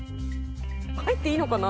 入っていいのかな？